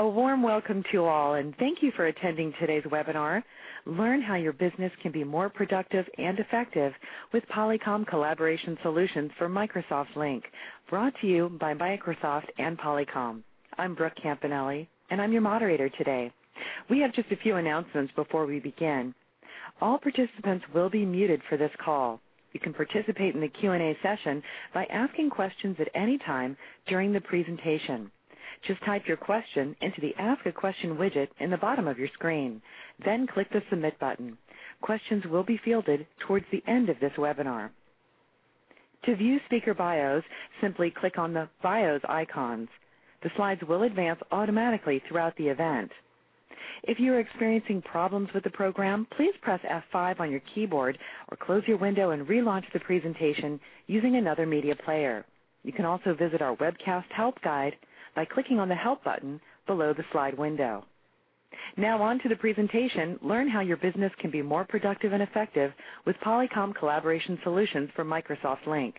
A warm welcome to you all, and thank you for attending today's webinar. Learn how your business can be more productive and effective with Polycom Collaboration Solutions for Microsoft Lync, brought to you by Microsoft and Polycom. I'm Brooke Campanelli, and I'm your moderator today. We have just a few announcements before we begin. All participants will be muted for this call. You can participate in the Q&A session by asking questions at any time during the presentation. Just type your question into the Ask a Question widget in the bottom of your screen, then click the Submit button. Questions will be fielded towards the end of this webinar. To view speaker bios, simply click on the Bios icons. The slides will advance automatically throughout the event. If you are experiencing problems with the program, please press F5 on your keyboard or close your window and relaunch the presentation using another media player. You can also visit our webcast help guide by clicking on the Help button below the slide window. Now on to the presentation, learn how your business can be more productive and effective with Polycom Collaboration Solutions for Microsoft Lync.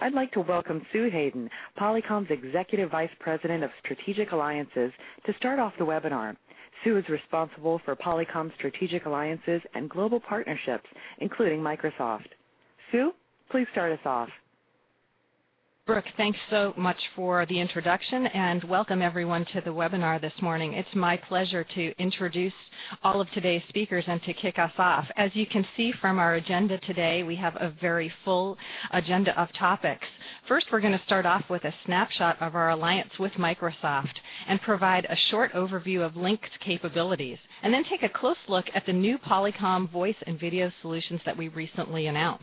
I'd like to welcome Sue Hayden, Polycom's Executive Vice President of Strategic Alliances, to start off the webinar. Sue is responsible for Polycom's Strategic Alliances and global partnerships, including Microsoft. Sue, please start us off. Brooke, thanks so much for the introduction, and welcome everyone to the webinar this morning. It's my pleasure to introduce all of today's speakers and to kick us off. As you can see from our agenda today, we have a very full agenda of topics. First, we're going to start off with a snapshot of our alliance with Microsoft and provide a short overview of Lync's capabilities, and then take a close look at the new Polycom voice and video solutions that we recently announced.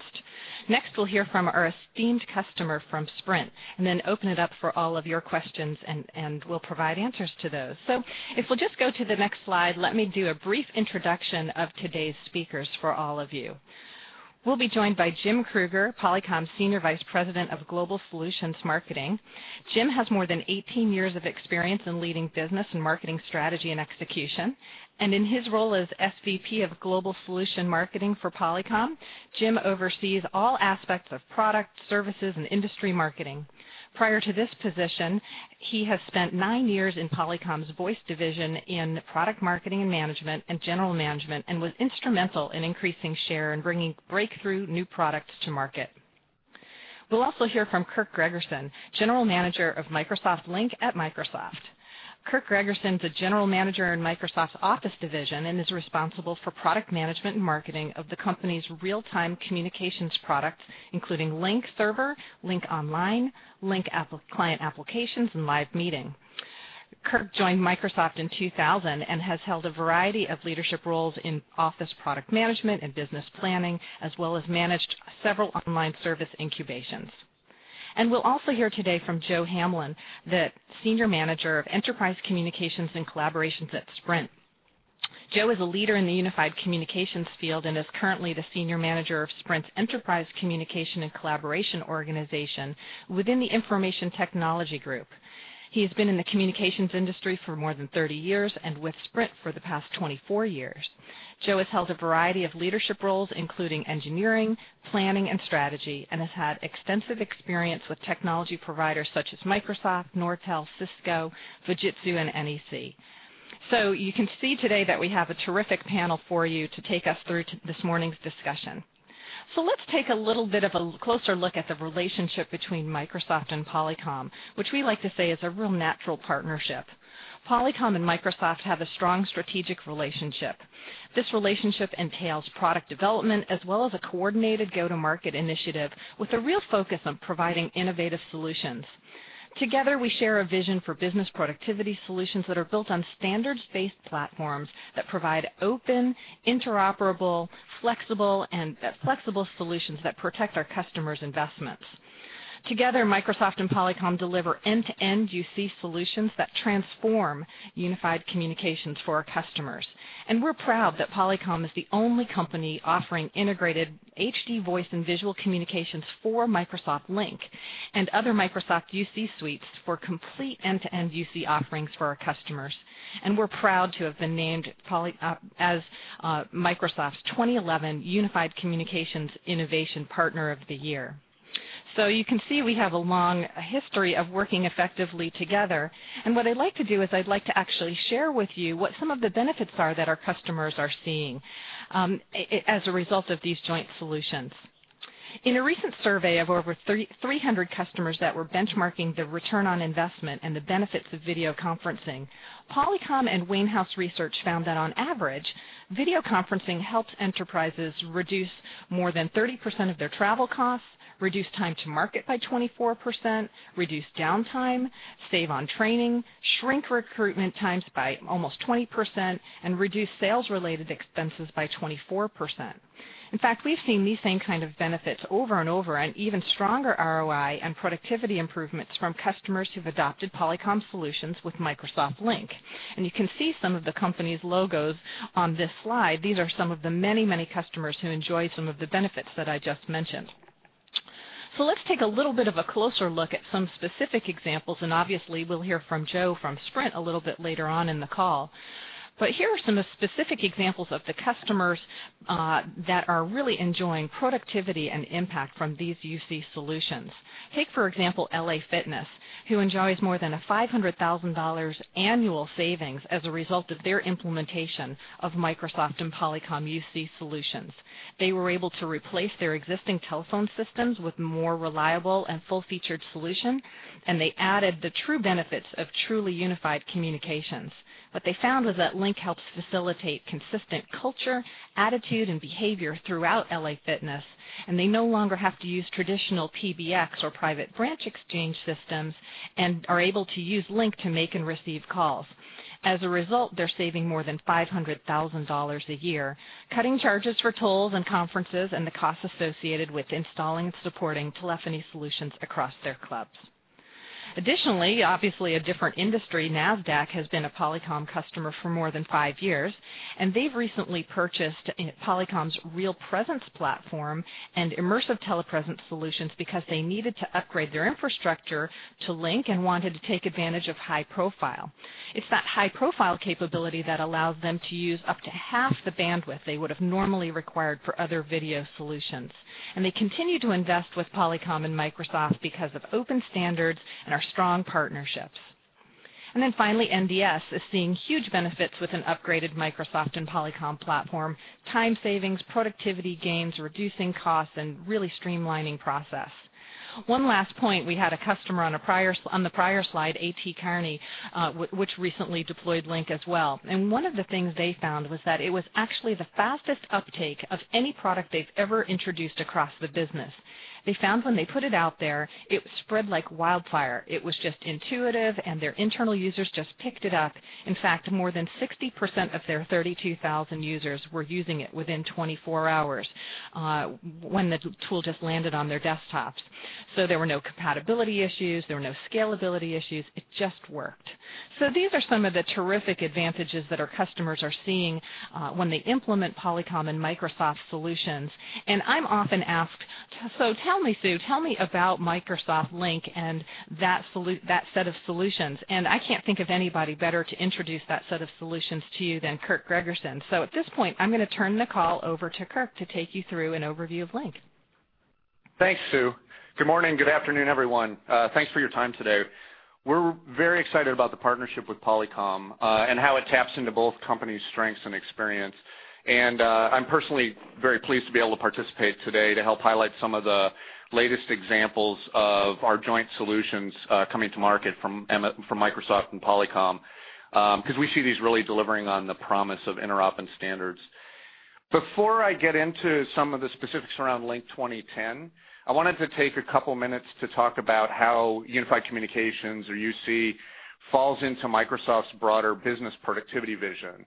Next, we'll hear from our esteemed customer from Sprint, and then open it up for all of your questions, and we'll provide answers to those. If we'll just go to the next slide, let me do a brief introduction of today's speakers for all of you. We'll be joined by Jim Kruger, Polycom's Senior Vice President of Global Solutions Marketing. Jim has more than 18 years of experience in leading business and marketing strategy and execution, and in his role as SVP of Global Solutions Marketing for Polycom, Jim oversees all aspects of product, services, and industry marketing. Prior to this position, he has spent nine years in Polycom's Voice Division in Product Marketing and Management and General Management and was instrumental in increasing share and bringing breakthrough new products to market. We'll also hear from Kirk Gregersen, General Manager of Microsoft Lync at Microsoft. Kirk Gregersen is a General Manager in Microsoft's Office Division and is responsible for product management and marketing of the company's real-time communications products, including Lync Server, Lync Online, Lync Client Applications, and Live Meeting. Kirk joined Microsoft in 2000 and has held a variety of leadership roles in Office Product Management and Business Planning, as well as managed several online service incubations. We'll also hear today from Joe Hamblin, the Senior Manager of Enterprise Communications and Collaboration at Sprint. Joe is a leader in the unified communications field and is currently the Senior Manager of Sprint's Enterprise Communication and Collaboration organization within the Information Technology Group. He's been in the communications industry for more than 30 years and with Sprint for the past 24 years. Joe has held a variety of leadership roles, including engineering, planning, and strategy, and has had extensive experience with technology providers such as Microsoft, Nortel, Cisco, Fujitsu, and NEC. You can see today that we have a terrific panel for you to take us through this morning's discussion. Let's take a little bit of a closer look at the relationship between Microsoft and Polycom, which we like to say is a real natural partnership. Polycom and Microsoft have a strong strategic relationship. This relationship entails product development as well as a coordinated go-to-market initiative with a real focus on providing innovative solutions. Together, we share a vision for business productivity solutions that are built on standards-based platforms that provide open, interoperable, flexible, and flexible solutions that protect our customers' investments. Together, Microsoft and Polycom deliver end-to-end UC solutions that transform unified communications for our customers. We're proud that Polycom is the only company offering integrated HD voice and visual communications for Microsoft Lync and other Microsoft UC suites for complete end-to-end UC offerings for our customers. We're proud to have been named as Microsoft's 2011 Unified Communications Innovation Partner of the Year. You can see we have a long history of working effectively together. What I'd like to do is I'd like to actually share with you what some of the benefits are that our customers are seeing as a result of these joint solutions. In a recent survey of over 300 customers that were benchmarking the return on investment and the benefits of video conferencing, Polycom and Wainhouse Research found that on average, video conferencing helped enterprises reduce more than 30% of their travel costs, reduce time to market by 24%, reduce downtime, save on training, shrink recruitment times by almost 20%, and reduce sales-related expenses by 24%. In fact, we've seen these same kind of benefits over and over and even stronger ROI and productivity improvements from customers who've adopted Polycom Solutions with Microsoft Lync. You can see some of the companies' logos on this slide. These are some of the many, many customers who enjoy some of the benefits that I just mentioned. Let's take a little bit of a closer look at some specific examples, and obviously we'll hear from Joe from Sprint a little bit later on in the call. Here are some specific examples of the customers that are really enjoying productivity and impact from these UC solutions. Take, for example, LA Fitness, who enjoys more than $500,000 annual savings as a result of their implementation of Microsoft and Polycom UC solutions. They were able to replace their existing telephone systems with more reliable and full-featured solutions, and they added the true benefits of truly unified communications. What they found was that Microsoft Lync helps facilitate consistent culture, attitude, and behavior throughout LA Fitness, and they no longer have to use traditional PBX or Private Branch Exchange systems and are able to use Lync to make and receive calls. As a result, they're saving more than $500,000 a year, cutting charges for tools and conferences and the costs associated with installing and supporting telephony solutions across their clubs. Additionally, obviously a different industry, Nasdaq, has been a Polycom customer for more than five years, and they've recently purchased Polycom RealPresence Platform and immersive telepresence solutions because they needed to upgrade their infrastructure to Lync and wanted to take advantage of high profile. It's that high profile capability that allows them to use up to half the bandwidth they would have normally required for other video solutions. They continue to invest with Polycom and Microsoft because of open standards and our strong partnership. Finally, NDS is seeing huge benefits with an upgraded Microsoft and Polycom platform, time savings, productivity gains, reducing costs, and really streamlining process. One last point, we had a customer on the prior slide, A.T. Kearney, which recently deployed Lync as well. One of the things they found was that it was actually the fastest uptake of any product they've ever introduced across the business. They found when they put it out there, it spread like wildfire. It was just intuitive, and their internal users just picked it up. In fact, more than 60% of their 32,000 users were using it within 24 hours when the tool just landed on their desktops. There were no compatibility issues. There were no scalability issues. It just worked. These are some of the terrific advantages that our customers are seeing when they implement Polycom and Microsoft solutions. I'm often asked, "So tell me, Sue, tell me about Microsoft Lync and that set of solutions." I can't think of anybody better to introduce that set of solutions to you than Kirk Gregersen. At this point, I'm going to turn the call over to Kirk to take you through an overview of Lync. Thanks, Sue. Good morning, good afternoon, everyone. Thanks for your time today. We're very excited about the partnership with Polycom and how it taps into both companies' strengths and experience. I'm personally very pleased to be able to participate today to help highlight some of the latest examples of our joint solutions coming to market from Microsoft and Polycom because we see these really delivering on the promise of interoperable standards. Before I get into some of the specifics around Microsoft Lync 2010, I wanted to take a couple of minutes to talk about how unified communications or UC falls into Microsoft's broader business productivity vision,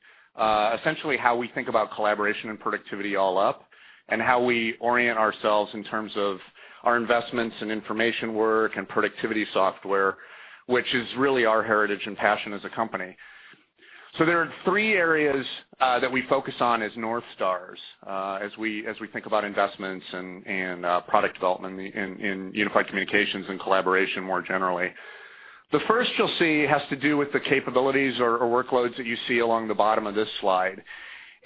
essentially how we think about collaboration and productivity all up, and how we orient ourselves in terms of our investments and information work and productivity software, which is really our heritage and passion as a company. There are three areas that we focus on as North Stars as we think about investments and product development in unified communications and collaboration more generally. The first you'll see has to do with the capabilities or workloads that you see along the bottom of this slide.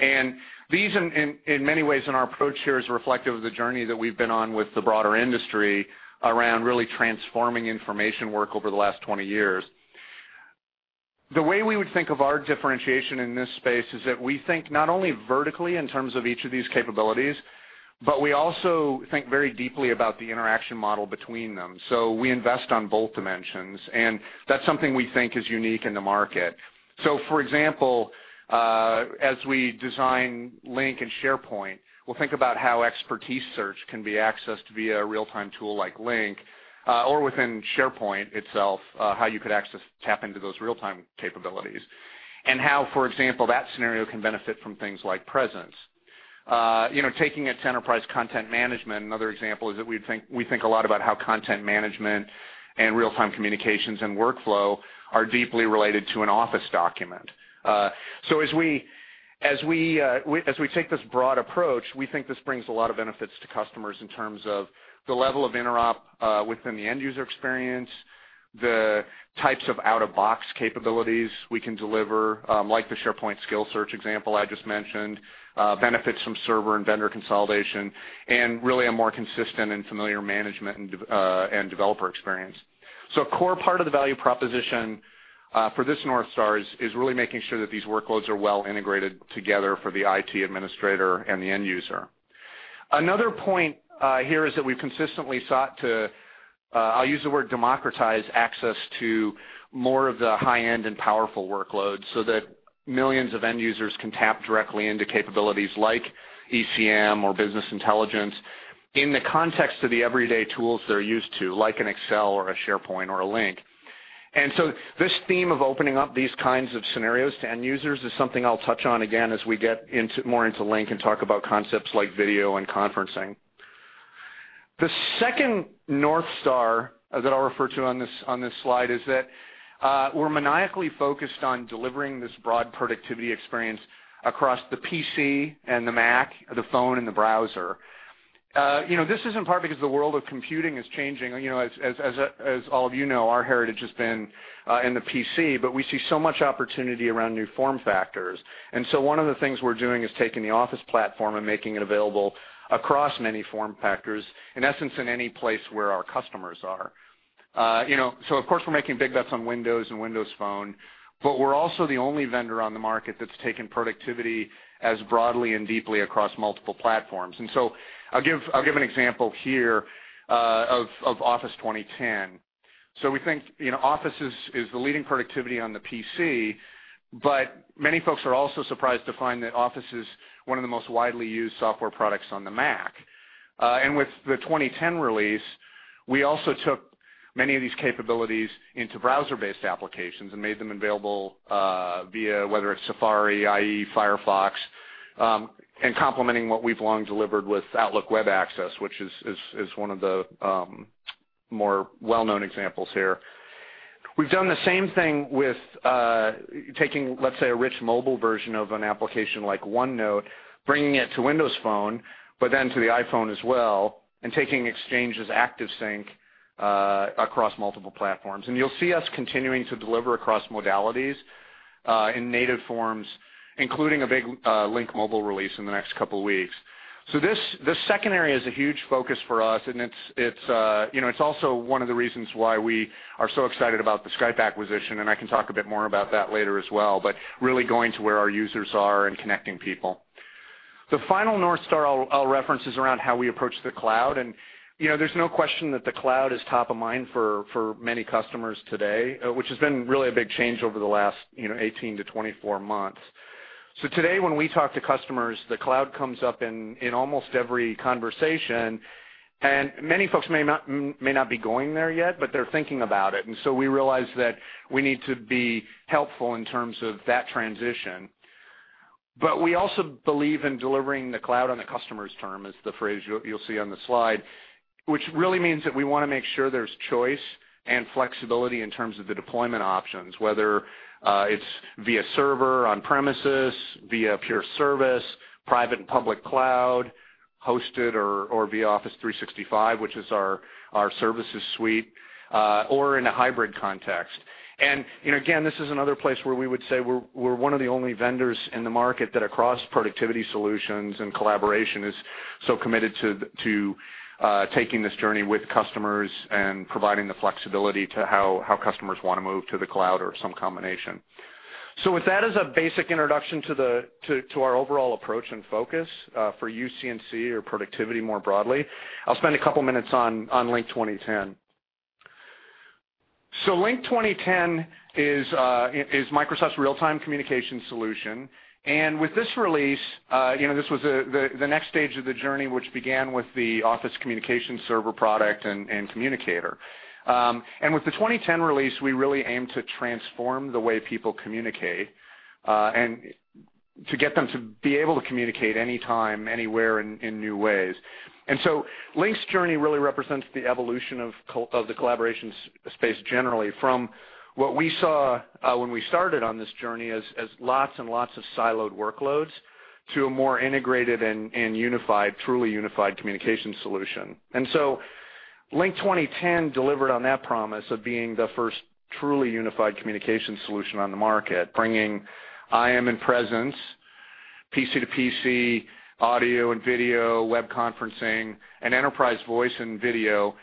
These, in many ways, in our approach here is reflective of the journey that we've been on with the broader industry around really transforming information work over the last 20 years. The way we would think of our differentiation in this space is that we think not only vertically in terms of each of these capabilities, but we also think very deeply about the interaction model between them. We invest on both dimensions, and that's something we think is unique in the market. For example, as we design Lync and SharePoint, we'll think about how expertise search can be accessed via a real-time tool like Lync or within SharePoint itself, how you could access, tap into those real-time capabilities, and how, for example, that scenario can benefit from things like presence. Taking at Enterprise Content Management, another example is that we think a lot about how content management and real-time communications and workflow are deeply related to an Office document. As we take this broad approach, we think this brings a lot of benefits to customers in terms of the level of interop within the end-user experience, the types of out-of-box capabilities we can deliver, like the SharePoint skill search example I just mentioned, benefits from server and vendor consolidation, and really a more consistent and familiar management and developer experience. A core part of the value proposition for this North Star is really making sure that these workloads are well integrated together for the IT administrator and the end user. Another point here is that we've consistently sought to, I'll use the word democratize, access to more of the high-end and powerful workloads so that millions of end users can tap directly into capabilities like ECM or business intelligence in the context of the everyday tools they're used to, like an Excel or a SharePoint or a Lync. This theme of opening up these kinds of scenarios to end users is something I'll touch on again as we get more into Lync and talk about concepts like video and conferencing. The second North Star that I'll refer to on this slide is that we're maniacally focused on delivering this broad productivity experience across the PC and the Mac, the phone, and the browser. This is in part because the world of computing is changing. As all of you know, our heritage has been in the PC, but we see so much opportunity around new form factors. One of the things we're doing is taking the Office platform and making it available across many form factors, in essence, in any place where our customers are. Of course, we're making big bets on Windows and Windows Phone, but we're also the only vendor on the market that's taken productivity as broadly and deeply across multiple platforms. I'll give an example here of Office 2010. We think Office is the leading productivity on the PC, but many folks are also surprised to find that Office is one of the most widely used software products on the Mac. With the 2010 release, we also took many of these capabilities into browser-based applications and made them available via, whether it's Safari, IE, Firefox, and complementing what we've long delivered with Outlook Web Access, which is one of the more well-known examples here. We've done the same thing with taking, let's say, a rich mobile version of an application like OneNote, bringing it to Windows Phone, but then to the iPhone as well, and taking Exchange ActiveSync across multiple platforms. You'll see us continuing to deliver across modalities in native forms, including a big Lync mobile release in the next couple of weeks. The second area is a huge focus for us, and it's also one of the reasons why we are so excited about the Skype acquisition. I can talk a bit more about that later as well, but really going to where our users are and connecting people. The final North Star I'll reference is around how we approach the Cloud, and there's no question that the Cloud is top of mind for many customers today, which has been really a big change over the last 18 months-24 months. Today, when we talk to customers, the Cloud comes up in almost every conversation, and many folks may not be going there yet, but they're thinking about it. We realize that we need to be helpful in terms of that transition. We also believe in delivering the Cloud on the customer's term, as the phrase you'll see on the slide, which really means that we want to make sure there's choice and flexibility in terms of the deployment options, whether it's via server, on-premises, via pure service, private and public Cloud, hosted, or via Office 365, which is our services suite, or in a hybrid context. This is another place where we would say we're one of the only vendors in the market that across productivity solutions and collaboration is so committed to taking this journey with customers and providing the flexibility to how customers want to move to the Cloud or some combination. With that as a basic introduction to our overall approach and focus for UC and C or productivity more broadly, I'll spend a couple of minutes on Lync 2010. Lync 2010 is Microsoft's real-time communication solution. With this release, this was the next stage of the journey, which began with the Office Communication Server product and Communicator. With the 2010 release, we really aimed to transform the way people communicate and to get them to be able to communicate anytime, anywhere, and in new ways. Lync's journey really represents the evolution of the collaboration space generally from what we saw when we started on this journey as lots and lots of siloed workloads to a more integrated and truly unified communication solution. Lync 2010 delivered on that promise of being the first truly unified communication solution on the market, bringing IM and presence, PC to PC, audio and video, web conferencing, and enterprise voice and video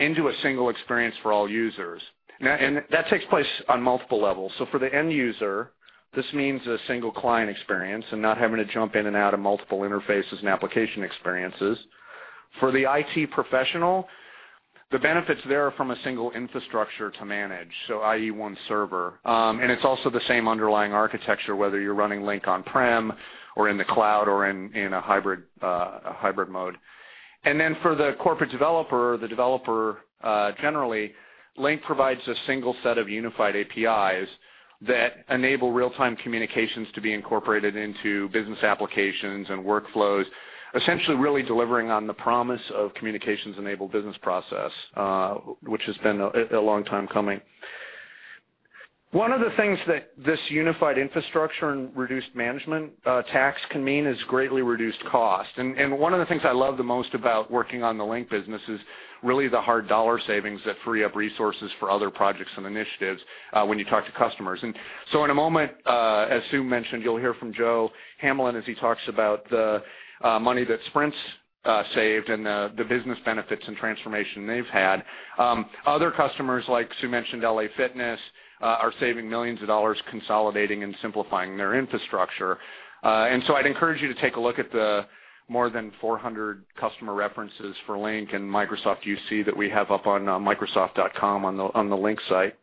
into a single experience for all users. That takes place on multiple levels. For the end user, this means a single client experience and not having to jump in and out of multiple interfaces and application experiences. For the IT professional, the benefits there are from a single infrastructure to manage, i.e., one server. It's also the same underlying architecture, whether you're running Lync on-prem or in the Cloud or in a hybrid mode. For the corporate developer or the developer generally, Lync provides a single set of unified APIs that enable real-time communications to be incorporated into business applications and workflows, essentially really delivering on the promise of communications-enabled business process, which has been a long time coming. One of the things that this unified infrastructure and reduced management tax can mean is greatly reduced cost. One of the things I love the most about working on the Lync business is really the hard dollar savings that free up resources for other projects and initiatives when you talk to customers. In a moment, as Sue mentioned, you'll hear from Joe Hamblin as he talks about the money that Sprint's saved and the business benefits and transformation they've had. Other customers, like Sue mentioned, LA Fitness, are saving millions of dollars consolidating and simplifying their infrastructure. I'd encourage you to take a look at the more than 400 customer references for Lync and Microsoft UC that we have up on microsoft.com on the Lync site.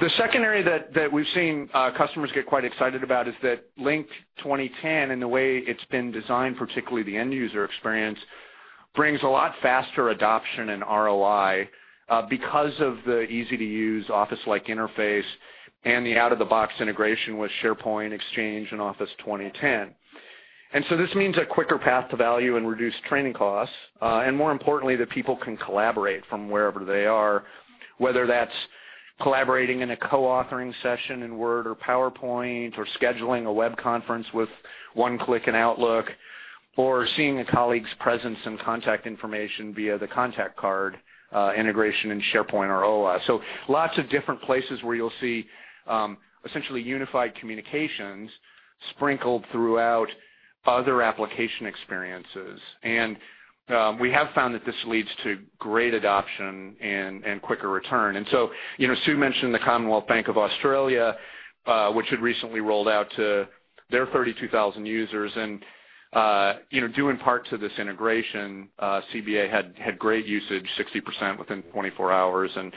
The second area that we've seen customers get quite excited about is that Lync 2010, and the way it's been designed, particularly the end user experience, brings a lot faster adoption and ROI because of the easy-to-use Office-like interface and the out-of-the-box integration with SharePoint, Exchange, and Office 2010. This means a quicker path to value and reduced training costs, and more importantly, that people can collaborate from wherever they are, whether that's collaborating in a co-authoring session in Word or PowerPoint, or scheduling a web conference with one click in Outlook, or seeing a colleague's presence and contact information via the contact card integration in SharePoint or Outlook. Lots of different places where you'll see essentially unified communications sprinkled throughout other application experiences. We have found that this leads to great adoption and quicker return. Sue mentioned the Commonwealth Bank of Australia, which had recently rolled out to their 32,000 users, and due in part to this integration, CBA had great usage, 60% within 24 hours, and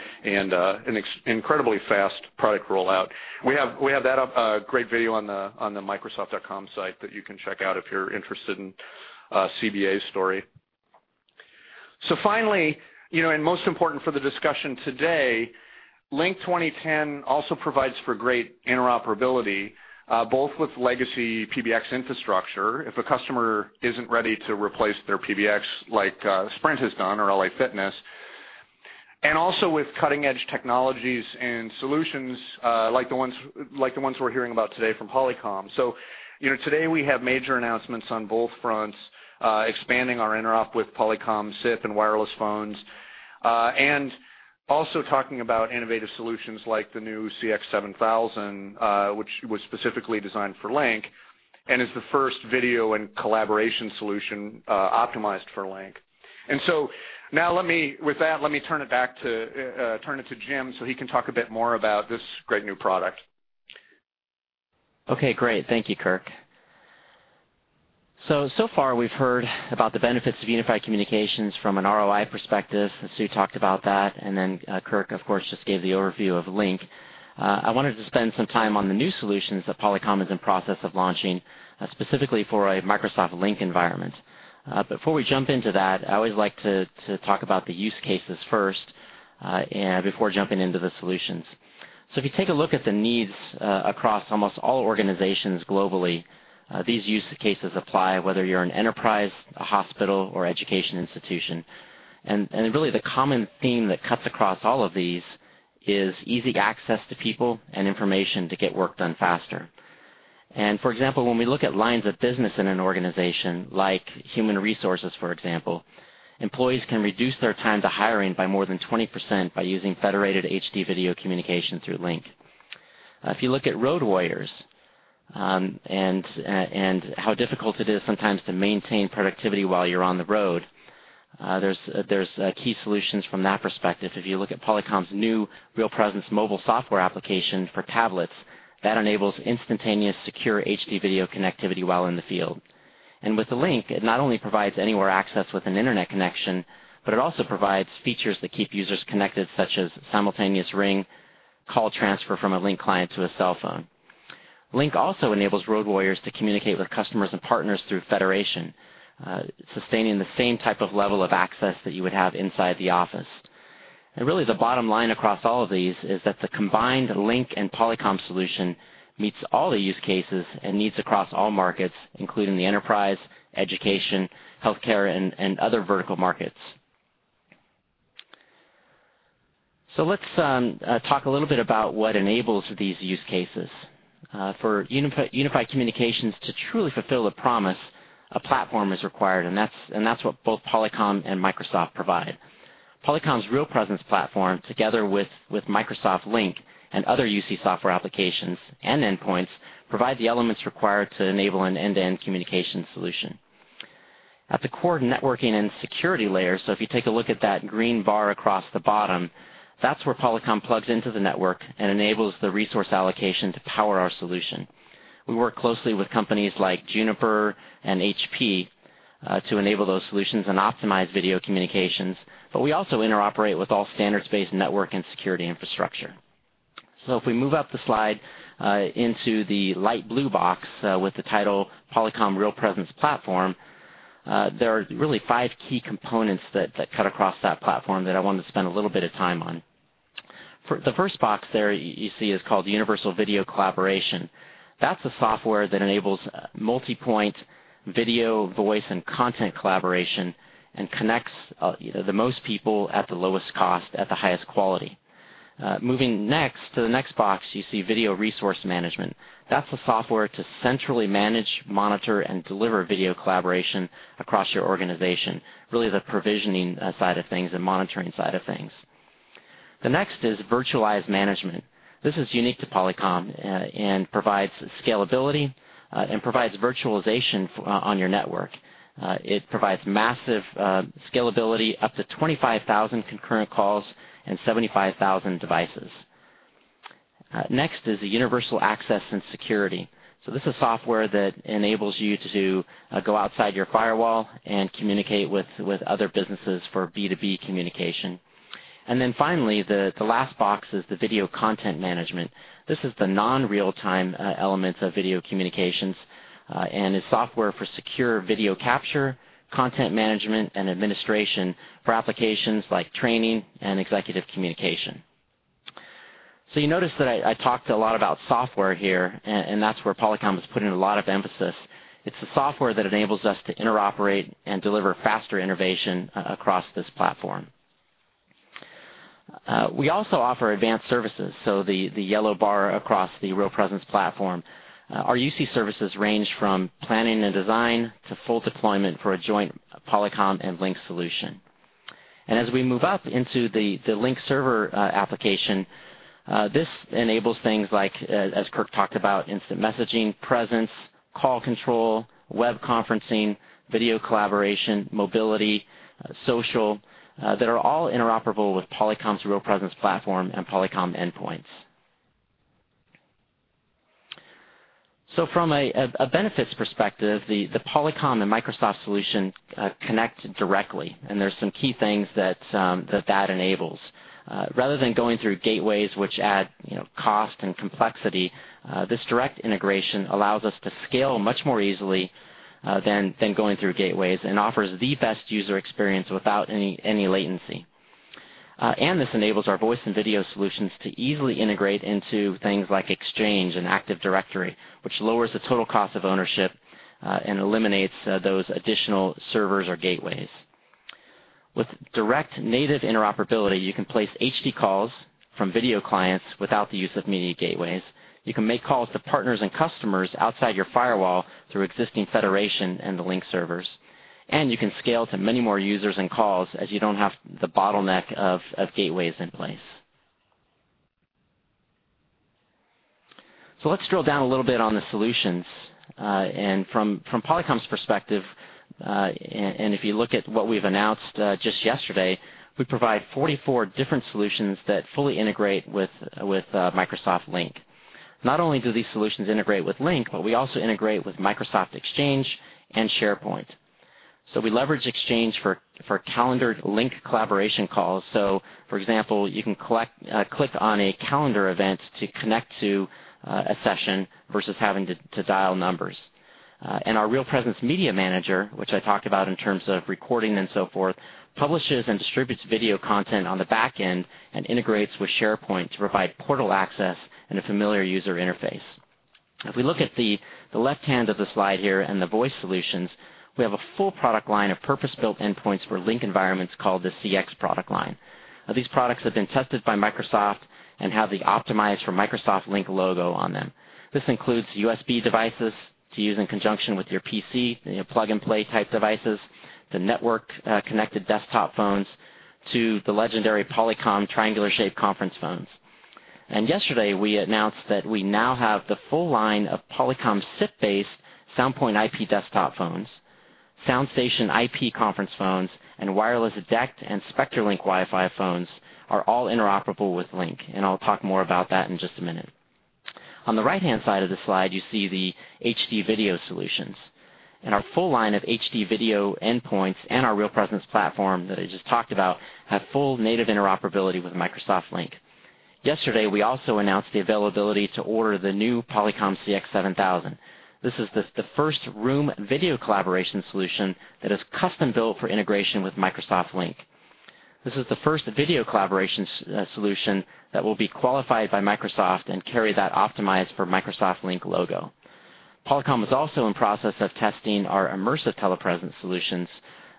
an incredibly fast product rollout. We have that great video on the microsoft.com site that you can check out if you're interested in CBA's story. Finally, and most important for the discussion today, Microsoft Lync 2010 also provides for great interoperability, both with legacy PBX infrastructure if a customer isn't ready to replace their PBX like Sprint has done or LA Fitness, and also with cutting-edge technologies and solutions like the ones we're hearing about today from Polycom. Today, we have major announcements on both fronts, expanding our interop with Polycom SIP and wireless phones, and also talking about innovative solutions like the new CX7000, which was specifically designed for Lync and is the first video and collaboration solution optimized for Lync. Now, with that, let me turn it back to Jim so he can talk a bit more about this great new product. Great. Thank you, Kirk. So far, we've heard about the benefits of unified communications from an ROI perspective. Sue talked about that, and then Kirk, of course, just gave the overview of Lync. I wanted to spend some time on the new solutions that Polycom is in the process of launching, specifically for a Microsoft Lync environment. Before we jump into that, I always like to talk about the use cases first before jumping into the solutions. If you take a look at the needs across almost all organizations globally, these use cases apply whether you're an enterprise, a hospital, or education institution. Really, the common theme that cuts across all of these is easy access to people and information to get work done faster. For example, when we look at lines of business in an organization like human resources, for example, employees can reduce their time to hiring by more than 20% by using federated HD video communication through Lync. If you look at road warriors and how difficult it is sometimes to maintain productivity while you're on the road, there's key solutions from that perspective. If you look at Polycom's new RealPresence mobile software application for tablets, that enables instantaneous secure HD video connectivity while in the field. With Lync, it not only provides anywhere access with an internet connection, but it also provides features that keep users connected, such as simultaneous ring call transfer from Lync Client to a cell phone. Lync also enables road warriors to communicate with customers and partners through federation, sustaining the same type of level of access that you would have inside the office. Really, the bottom line across all of these is that the combined Lync and Polycom solution meets all the use cases and needs across all markets, including the enterprise, education, healthcare, and other vertical markets. Let's talk a little bit about what enables these use cases. For unified communications to truly fulfill the promise, a platform is required, and that's what both Polycom and Microsoft provide. Polycom's RealPresence platform, together with Microsoft Lync and other UC software applications and endpoints, provide the elements required to enable an end-to-end communication solution. At the core networking and security layer, if you take a look at that green bar across the bottom, that's where Polycom plugs into the network and enables the resource allocation to power our solution. We work closely with companies like Juniper and HP to enable those solutions and optimize video communications, but we also interoperate with all standards-based network and security infrastructure. If we move up the slide into the light blue box with the title Polycom RealPresence platform, there are really five key components that cut across that platform that I wanted to spend a little bit of time on. The first box there you see is called Universal Video Collaboration. That's a software that enables multipoint video, voice, and content collaboration and connects the most people at the lowest cost at the highest quality. Moving next to the next box, you see Video Resource Management. That's a software to centrally manage, monitor, and deliver video collaboration across your organization, really the provisioning side of things and monitoring side of things. The next is Virtualized Management. This is unique to Polycom and provides scalability and provides virtualization on your network. It provides massive scalability, up to 25,000 concurrent calls and 75,000 devices. Next is the Universal Access and Security. This is software that enables you to go outside your firewall and communicate with other businesses for B2B communication. Finally, the last box is the Video Content Management. This is the non-real-time elements of video communications and is software for secure video capture, content management, and administration for applications like training and executive communication. You notice that I talked a lot about software here, and that's where Polycom is putting a lot of emphasis. It's a software that enables us to interoperate and deliver faster innovation across this platform. We also offer advanced services, the yellow bar across the RealPresence platform. Our UC services range from planning and design to full deployment for a joint Polycom and Microsoft Lync solution. As we move up into the Lync server application, this enables things like, as Kirk talked about, instant messaging, presence, call control, web conferencing, video collaboration, mobility, social, that are all interoperable with Polycom's RealPresence platform and Polycom endpoints. From a benefits perspective, the Polycom and Microsoft solution connect directly, and there's some key things that that enables. Rather than going through gateways, which add cost and complexity, this direct integration allows us to scale much more easily than going through gateways and offers the best user experience without any latency. This enables our voice and video solutions to easily integrate into things like Exchange and Active Directory, which lowers the total cost of ownership and eliminates those additional servers or gateways. With direct native interoperability, you can place HD calls from video clients without the use of media gateways. You can make calls to partners and customers outside your firewall through existing federation and the Lync servers, and you can scale to many more users and calls as you don't have the bottleneck of gateways in place. Let's drill down a little bit on the solutions. From Polycom's perspective, and if you look at what we've announced just yesterday, we provide 44 different solutions that fully integrate with Microsoft Lync. Not only do these solutions integrate with Lync, but we also integrate with Microsoft Exchange and SharePoint. We leverage Exchange for calendar Lync collaboration calls. For example, you can click on a calendar event to connect to a session versus having to dial numbers. Our RealPresence Media Manager, which I talked about in terms of recording and so forth, publishes and distributes video content on the back end and integrates with SharePoint to provide portal access and a familiar user interface. If we look at the left hand of the slide here and the voice solutions, we have a full product line of purpose-built endpoints for Lync environments called the CX product line. These products have been tested by Microsoft and have the Optimized for Microsoft Lync logo on them. This includes USB devices to use in conjunction with your PC, plug-and-play type devices, the network-connected desktop phones, to the legendary Polycom triangular-shaped conference phones. Yesterday, we announced that we now have the full line of Polycom SIP-based SoundPoint IP desktop phones, SoundStation IP conference phones, and wireless DECT and Spectralink Wi-Fi phones are all interoperable with Lync, and I'll talk more about that in just a minute. On the right-hand side of the slide, you see the HD video solutions. Our full line of HD video endpoints and our RealPresence Platform that I just talked about have full native interoperability with Microsoft Lync. Yesterday, we also announced the availability to order the new Polycom CX7000. This is the first room video collaboration solution that is custom-built for integration with Microsoft Lync. This is the first video collaboration solution that will be qualified by Microsoft and carry that optimized for Microsoft Lync logo. Polycom is also in the process of testing our immersive telepresence solutions,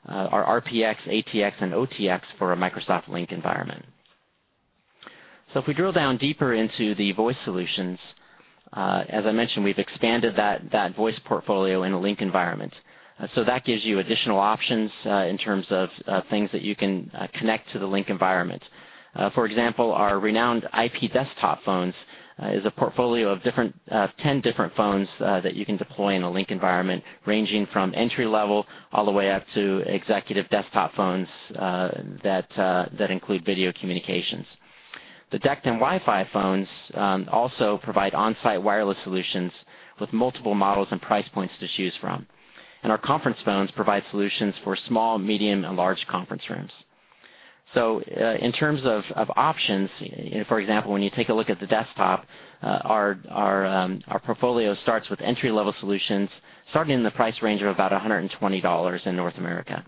our RPX, ATX, and OTX for a Microsoft Lync environment. If we drill down deeper into the voice solutions, as I mentioned, we've expanded that voice portfolio in a Lync environment. That gives you additional options in terms of things that you can connect to the Lync environment. For example, our renowned IP phone desktop phones is a portfolio of 10 different phones that you can deploy in a Lync environment, ranging from entry-level all the way up to executive desktop phones that include video communications. The DECT and Wi-Fi phones also provide on-site wireless solutions with multiple models and price points to choose from. Our conference phones provide solutions for small, medium, and large conference rooms. In terms of options, for example, when you take a look at the desktop, our portfolio starts with entry-level solutions, starting in the price range of about $120 in North America.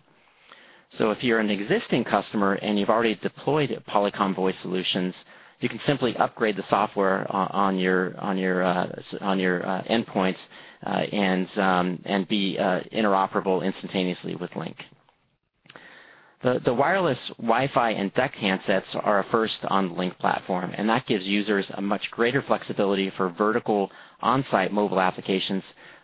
If you're an existing customer and you've already deployed Polycom voice solutions, you can simply upgrade the software on your endpoints and be interoperable instantaneously with Lync. The wireless Wi-Fi and DECT handsets are a first on the Lync platform, and that gives users a much greater flexibility for vertical on-site mobile applications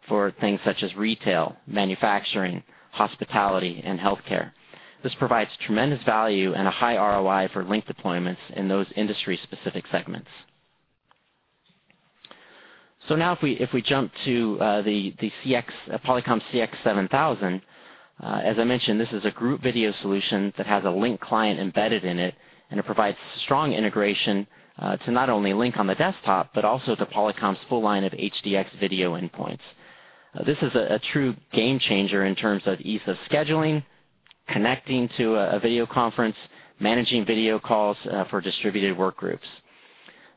for things such as retail, manufacturing, hospitality, and healthcare. This provides tremendous value and a high ROI for Lync deployments in those industry-specific segments. Now, if we jump to the Polycom CX7000, as I mentioned, this is a group video solution that has Lync Client embedded in it, and it provides strong integration to not only Lync on the desktop, but also to Polycom's full line of HDX video endpoints. This is a true game changer in terms of ease of scheduling, connecting to a video conference, managing video calls for distributed work groups.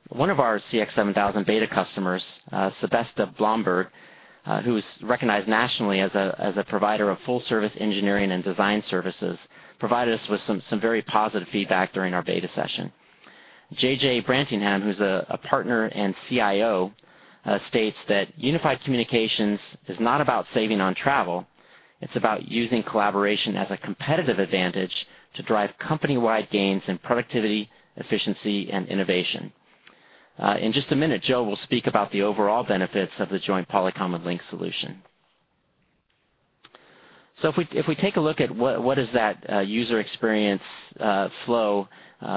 One of our CX7000 beta customers, Sebesta Blomberg, who is recognized nationally as a provider of full-service engineering and design services, provided us with some very positive feedback during our beta session. JJ Brantingham, who's a partner and CIO, states that unified communications is not about saving on travel, it's about using collaboration as a competitive advantage to drive company-wide gains in productivity, efficiency, and innovation. In just a minute, Joe will speak about the overall benefits of the joint Polycom and Microsoft Lync solution. If we take a look at what is that user experience flow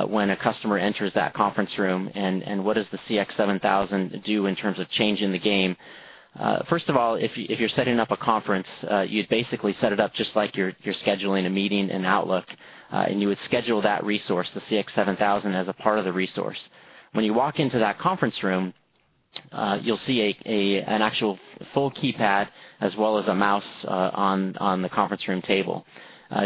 when a customer enters that conference room, and what does the Polycom CX7000 do in terms of changing the game? First of all, if you're setting up a conference, you'd basically set it up just like you're scheduling a meeting in Outlook, and you would schedule that resource, the Polycom CX7000, as a part of the resource. When you walk into that conference room, you'll see an actual full keypad as well as a mouse on the conference room table.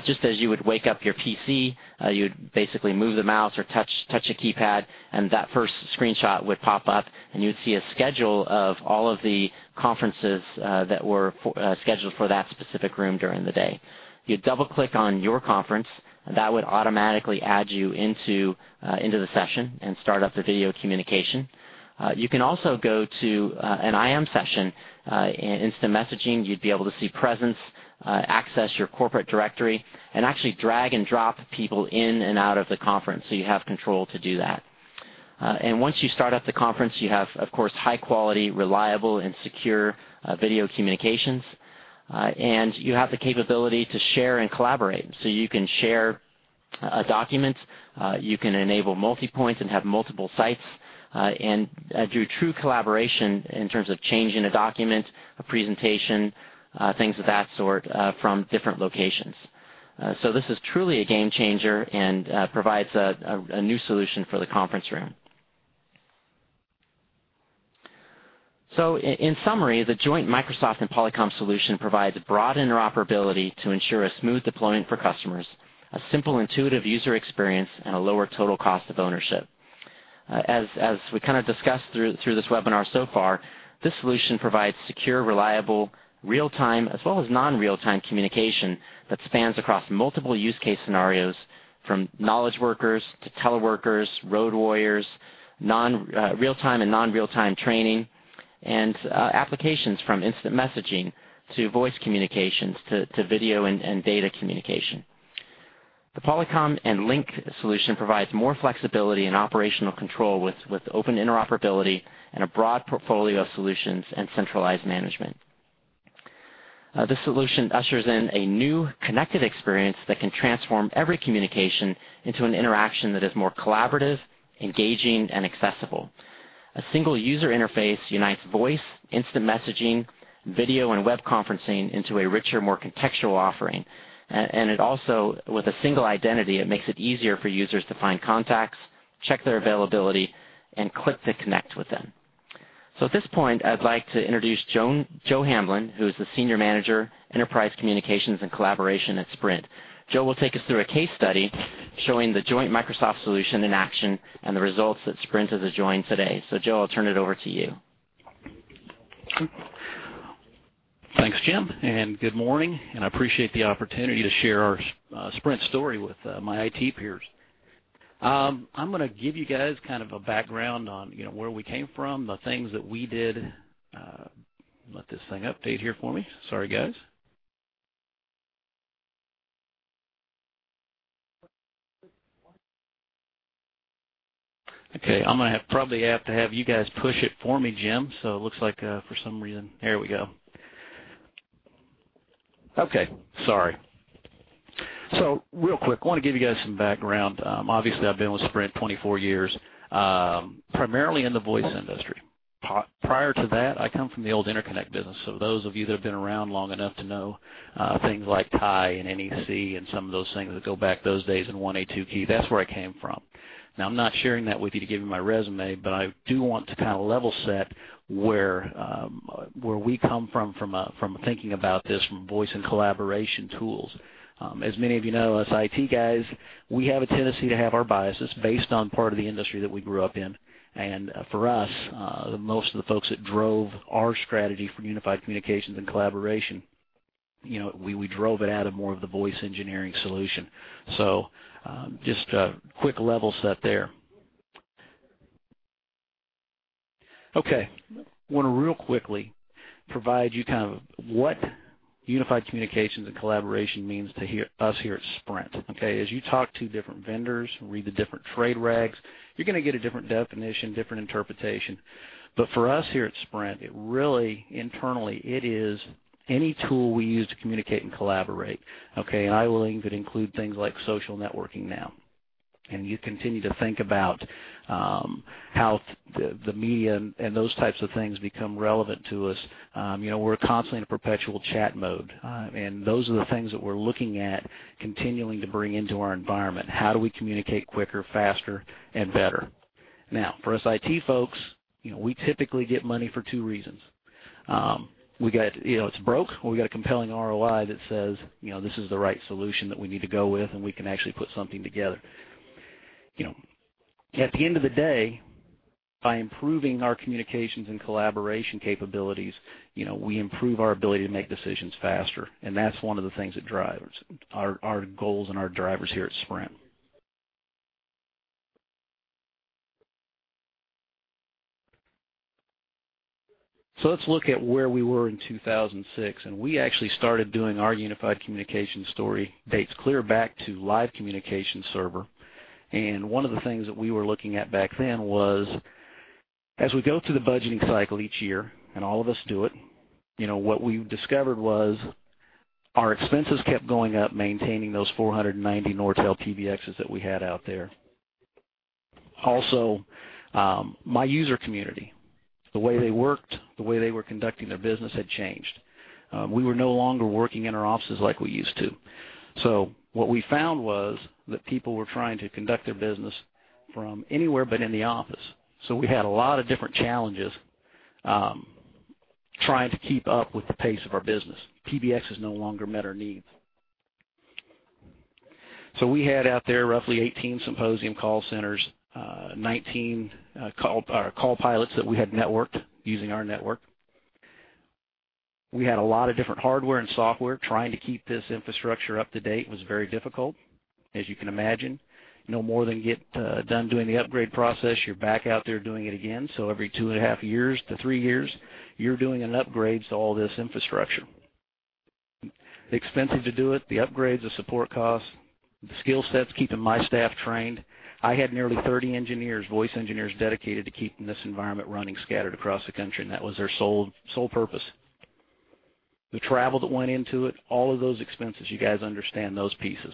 Just as you would wake up your PC, you'd basically move the mouse or touch a keypad, and that first screenshot would pop up, and you'd see a schedule of all of the conferences that were scheduled for that specific room during the day. You'd double-click on your conference, and that would automatically add you into the session and start up the video communication. You can also go to an IM session, instant messaging, you'd be able to see presence, access your corporate directory, and actually drag and drop people in and out of the conference, so you have control to do that. Once you start up the conference, you have, of course, high-quality, reliable, and secure video communications, and you have the capability to share and collaborate. You can share a document, you can enable multi-points and have multiple sites, and do true collaboration in terms of changing a document, a presentation, things of that sort from different locations. This is truly a game changer and provides a new solution for the conference room. In summary, the joint Microsoft and Polycom solution provides broad interoperability to ensure a smooth deployment for customers, a simple, intuitive user experience, and a lower total cost of ownership. As we kind of discussed through this webinar so far, this solution provides secure, reliable, real-time, as well as non-real-time communication that spans across multiple use case scenarios from knowledge workers to teleworkers, road warriors, real-time and non-real-time training, and applications from instant messaging to voice communications to video and data communication. The Polycom and Lync solution provides more flexibility and operational control with open interoperability and a broad portfolio of solutions and centralized management. This solution ushers in a new connected experience that can transform every communication into an interaction that is more collaborative, engaging, and accessible. A single user interface unites voice, instant messaging, video, and web conferencing into a richer, more contextual offering. Also, with a single identity, it makes it easier for users to find contacts, check their availability, and click to connect with them. At this point, I'd like to introduce Joe Hamblin, who is the Senior Manager, Enterprise Communications and Collaboration at Sprint. Joe will take us through a case study showing the joint Microsoft solution in action and the results that Sprint has enjoyed today. Joe, I'll turn it over to you. Thanks, Jim. Good morning, and I appreciate the opportunity to share our Sprint story with my IT peers. I'm going to give you guys kind of a background on where we came from, the things that we did. Let this thing update here for me. Sorry, guys. I'm going to probably have to have you guys push it for me, Jim. It looks like for some reason, here we go. Okay, sorry. Real quick, I want to give you guys some background. Obviously, I've been with Sprint 24 years, primarily in the voice industry. Prior to that, I come from the old interconnect business. Those of you that have been around long enough to know things like TIE and NEC and some of those things that go back those days in 1A2Q, that's where I came from. I'm not sharing that with you to give you my resume, but I do want to kind of level set where we come from thinking about this from voice and collaboration tools. As many of you know, as IT guys, we have a tendency to have our biases based on part of the industry that we grew up in. For us, most of the folks that drove our strategy for unified communications and collaboration, we drove it out of more of the voice engineering solution. Just a quick level set there. I want to real quickly provide you kind of what unified communications and collaboration means to us here at Sprint. As you talk to different vendors, read the different trade rags, you're going to get a different definition, different interpretation. For us here at Sprint, really internally, it is any tool we use to communicate and collaborate. I will even include things like social networking now. You continue to think about how the media and those types of things become relevant to us. We're constantly in a perpetual chat mode, and those are the things that we're looking at continuing to bring into our environment. How do we communicate quicker, faster, and better? For us IT folks, we typically get money for two reasons. It's broke or we got a compelling ROI that says this is the right solution that we need to go with, and we can actually put something together. At the end of the day, by improving our communications and collaboration capabilities, we improve our ability to make decisions faster, and that's one of the things that drives our goals and our drivers here at Sprint. Let's look at where we were in 2006, and we actually started doing our unified communication story dates clear back to live communication server. One of the things that we were looking at back then was, as we go through the budgeting cycle each year, and all of us do it, what we discovered was our expenses kept going up, maintaining those 490 Nortel PBXs that we had out there. Also, my user community, the way they worked, the way they were conducting their business had changed. We were no longer working in our offices like we used to. What we found was that people were trying to conduct their business from anywhere but in the office. We had a lot of different challenges trying to keep up with the pace of our business. PBXs no longer met our needs. We had out there roughly 18 symposium call centers, 19 call pilots that we had networked using our network. We had a lot of different hardware and software. Trying to keep this infrastructure up to date was very difficult. As you can imagine, no more than get done doing the upgrade process, you're back out there doing it again. Every two and a half years to three years, you're doing an upgrade to all this infrastructure. Expensive to do it, the upgrades, the support costs, the skill sets keeping my staff trained. I had nearly 30 engineers, voice engineers dedicated to keeping this environment running scattered across the country, and that was their sole purpose. The travel that went into it, all of those expenses, you guys understand those pieces.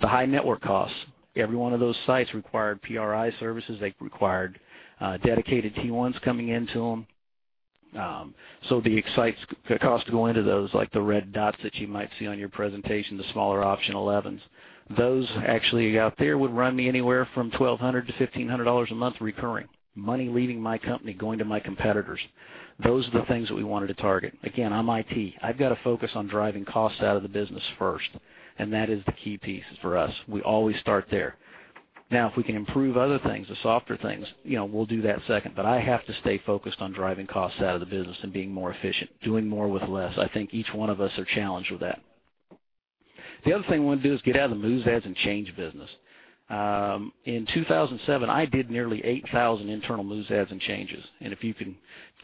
The high network costs, every one of those sites required PRI services, they required dedicated T1s coming into them. The exciting cost to go into those, like the red dots that you might see on your presentation, the smaller option 11s, those actually out there would run me anywhere from $1,200 to $1,500 a month recurring, money leaving my company, going to my competitors. Those are the things that we wanted to target. Again, I'm IT. I've got to focus on driving costs out of the business first, and that is the key piece for us. We always start there. Now, if we can improve other things, the softer things, we'll do that second, but I have to stay focused on driving costs out of the business and being more efficient, doing more with less. I think each one of us are challenged with that. The other thing I want to do is get out of the moves adds and change business. In 2007, I did nearly 8,000 internal moves adds and changes. If you can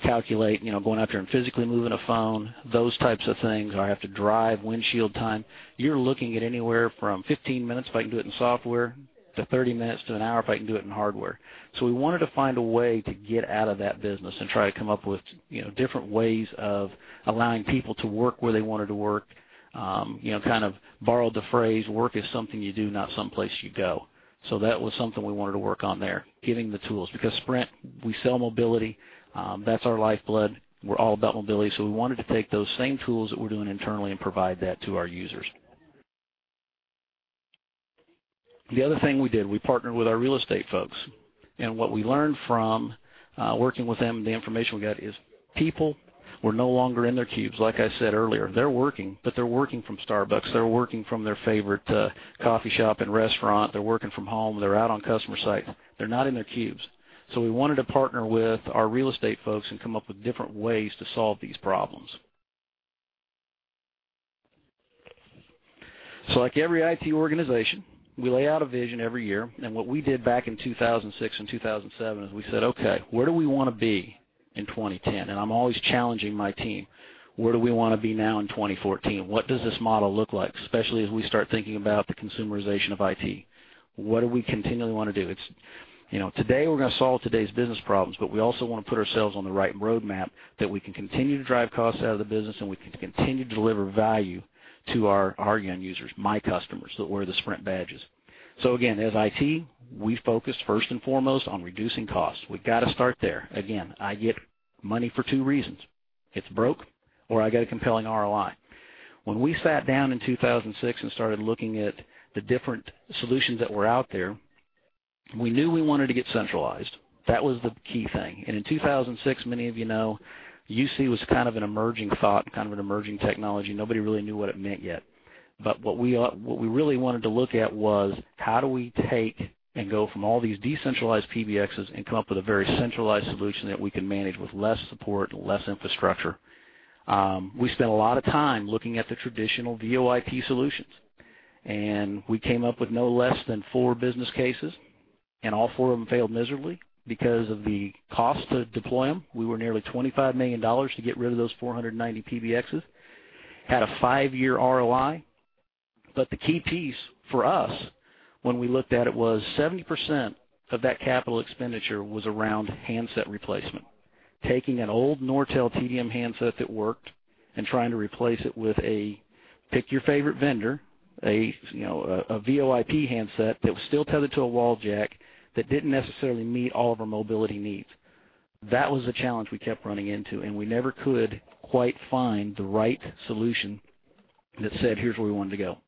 calculate, you know, going out there and physically moving a phone, those types of things, or I have to drive windshield time, you're looking at anywhere from 15 minutes if I can do it in software to 30 minutes to 1 hour if I can do it in hardware. We wanted to find a way to get out of that business and try to come up with different ways of allowing people to work where they wanted to work. Kind of borrowed the phrase, work is something you do, not someplace you go. That was something we wanted to work on there, getting the tools. Because Sprint, we sell mobility, that's our lifeblood. We're all about mobility, so we wanted to take those same tools that we're doing internally and provide that to our users. The other thing we did, we partnered with our real estate folks, and what we learned from working with them, the information we got is people were no longer in their cubes. Like I said earlier, they're working, but they're working from Starbucks, they're working from their favorite coffee shop and restaurant, they're working from home, they're out on customer site, they're not in their cubes. We wanted to partner with our real estate folks and come up with different ways to solve these problems. Like every IT organization, we lay out a vision every year, and what we did back in 2006 and 2007 is we said, "Okay, where do we want to be in 2010?" I'm always challenging my team. Where do we want to be now in 2014? What does this model look like, especially as we start thinking about the consumerization of IT? What do we continually want to do? Today, we're going to solve today's business problems, but we also want to put ourselves on the right roadmap that we can continue to drive costs out of the business and we can continue to deliver value to our young users, my customers that wear the Sprint badges. Again, as IT, we focus first and foremost on reducing costs. We've got to start there. Again, I get money for two reasons. It's broke or I got a compelling ROI. When we sat down in 2006 and started looking at the different solutions that were out there, we knew we wanted to get centralized. That was the key thing. In 2006, many of you know, unified communications was kind of an emerging thought and kind of an emerging technology. Nobody really knew what it meant yet. What we really wanted to look at was how do we take and go from all these decentralized PBXs and come up with a very centralized solution that we can manage with less support and less infrastructure. We spent a lot of time looking at the traditional VoIP solutions, and we came up with no less than four business cases, and all four of them failed miserably because of the cost to deploy them. We were nearly $25 million to get rid of those 490 PBXs. Had a five-year ROI, but the key piece for us when we looked at it was 70% of that capital expenditure was around handset replacement. Taking an old Nortel TDM handset that worked and trying to replace it with a pick-your-favorite vendor, a VoIP handset that was still tethered to a wall jack that didn't necessarily meet all of our mobility needs. That was the challenge we kept running into, and we never could quite find the right solution that said, "Here's where we wanted to go."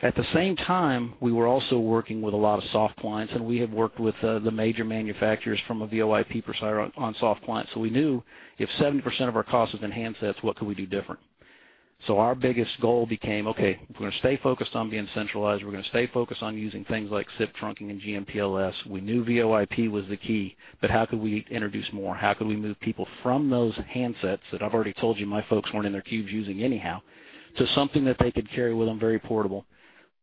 At the same time, we were also working with a lot of soft clients, and we had worked with the major manufacturers from a VoIP perspective on soft clients, so we knew if 70% of our cost was in handsets, what could we do different? Our biggest goal became, "Okay, we're going to stay focused on being centralized, we're going to stay focused on using things like SIP trunking and GMPLS." We knew VoIP was the key, but how could we introduce more? How could we move people from those handsets that I've already told you my folks weren't in their cubes using anyhow to something that they could carry with them very portable?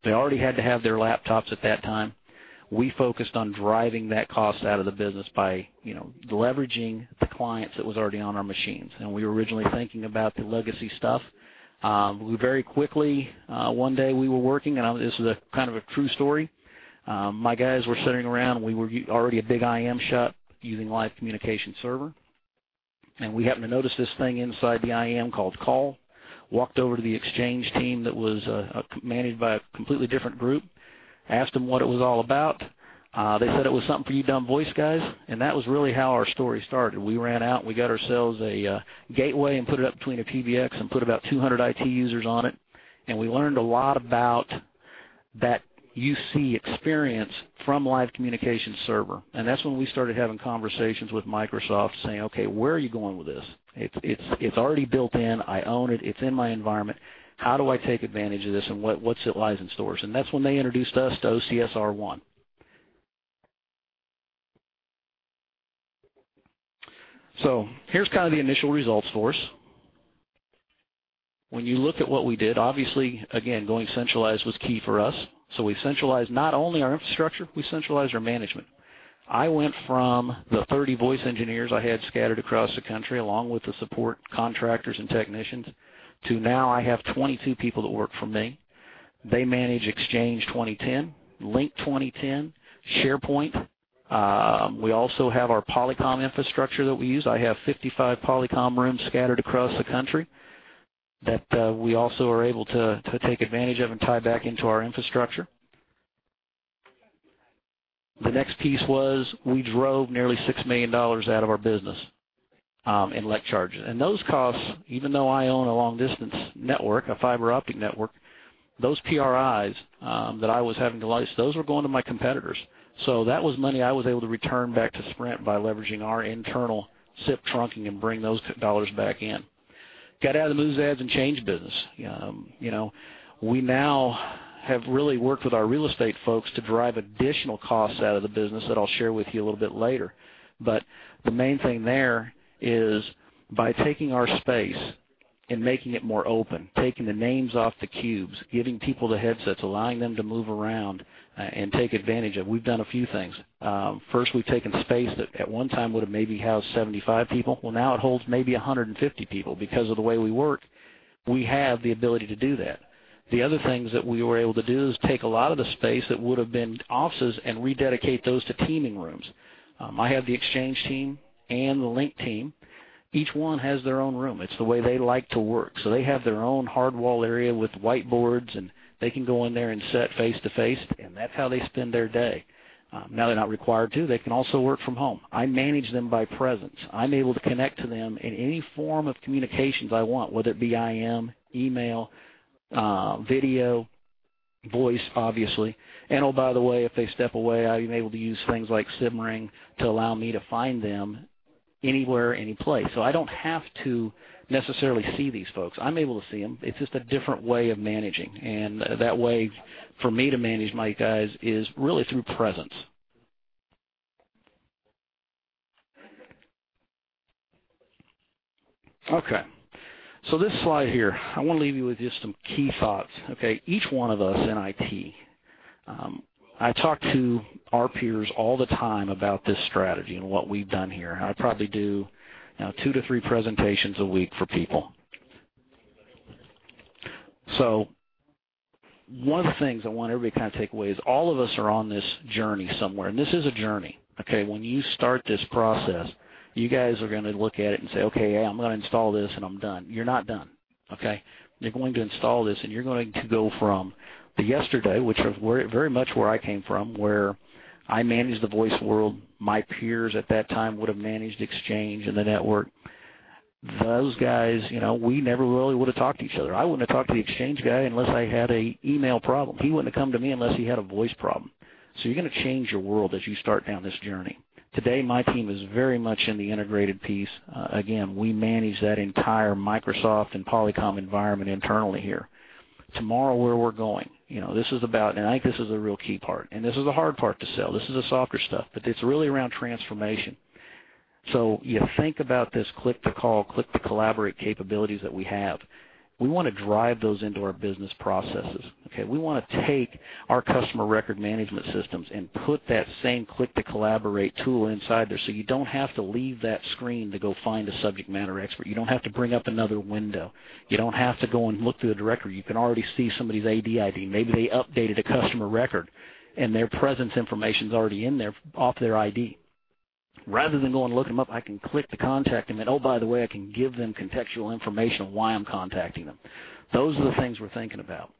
They already had to have their laptops at that time. We focused on driving that cost out of the business by leveraging the clients that were already on our machines. We were originally thinking about the legacy stuff. Very quickly, one day we were working, and this is kind of a true story. My guys were sitting around, we were already a big IM shop using live communication server, and we happened to notice this thing inside the IM called Call. Walked over to the exchange team that was managed by a completely different group, asked them what it was all about. They said it was something for you dumb voice guys, and that was really how our story started. We ran out, we got ourselves a gateway and put it up between a PBX and put about 200 IT users on it, and we learned a lot about that UC experience from live communication server. That's when we started having conversations with Microsoft saying, "Okay, where are you going with this? It's already built in, I own it, it's in my environment. How do I take advantage of this and what lies in store?" That's when they introduced us to OCS R1. Here's kind of the initial results for us. When you look at what we did, obviously, again, going centralized was key for us. We centralized not only our infrastructure, we centralized our management. I went from the 30 voice engineers I had scattered across the country, along with the support contractors and technicians, to now I have 22 people that work for me. They manage Exchange 2010, Lync 2010, SharePoint. We also have our Polycom infrastructure that we use. I have 55 Polycom rooms scattered across the country that we also are able to take advantage of and tie back into our infrastructure. The next piece was we drove nearly $6 million out of our business in electric charges. Those costs, even though I own a long-distance network, a fiber optic network, those PRIs that I was having to license, those were going to my competitors. That was money I was able to return back to Sprint by leveraging our internal SIP trunking and bring those dollars back in. Got out of the moves, adds, and changes business. We now have really worked with our real estate folks to drive additional costs out of the business that I'll share with you a little bit later. The main thing there is by taking our space and making it more open, taking the names off the cubes, giving people the headsets, allowing them to move around and take advantage of, we've done a few things. First, we've taken space that at one time would have maybe housed 75 people. Now it holds maybe 150 people because of the way we work. We have the ability to do that. The other things that we were able to do is take a lot of the space that would have been offices and rededicate those to teaming rooms. I have the Exchange team and the Lync team. Each one has their own room. It's the way they like to work. They have their own hard wall area with whiteboards, and they can go in there and sit face-to-face, and that's how they spend their day. Now they're not required to, they can also work from home. I manage them by presence. I'm able to connect to them in any form of communications I want, whether it be IM, email, video, voice, obviously. By the way, if they step away, I'm able to use things like SIM Ring to allow me to find them anywhere, any place. I don't have to necessarily see these folks. I'm able to see them. It's just a different way of managing. That way for me to manage my guys is really through presence. This slide here, I want to leave you with just some key thoughts. Each one of us in IT, I talk to our peers all the time about this strategy and what we've done here. I probably do two to three presentations a week for people. One of the things I want everybody to kind of take away is all of us are on this journey somewhere, and this is a journey. When you start this process, you guys are going to look at it and say, "Okay, I'm going to install this and I'm done." You're not done. You're going to install this, and you're going to go from the yesterday, which was very much where I came from, where I managed the voice world, my peers at that time would have managed Exchange and the network. Those guys, you know, we never really would have talked to each other. I wouldn't have talked to the Exchange guy unless I had an email problem. He wouldn't have come to me unless he had a voice problem. You're going to change your world as you start down this journey. Today, my team is very much in the integrated piece. Again, we manage that entire Microsoft and Polycom environment internally here. Tomorrow, where we're going, this is about, and I think this is a real key part, and this is a hard part to sell. This is the softer stuff, but it's really around transformation. You think about this click-to-call, click-to-collaborate capabilities that we have. We want to drive those into our business processes. We want to take our customer record management systems and put that same click-to-collaborate tool inside there, so you don't have to leave that screen to go find a subject matter expert. You don't have to bring up another window. You don't have to go and look through the directory. You can already see somebody's AD ID. Maybe they updated a customer record, and their presence information is already in there off their ID. Rather than going to look them up, I can click to contact them. Oh, by the way, I can give them contextual information on why I'm contacting them. Those are the things we're thinking about.